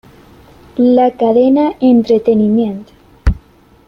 La cadena E!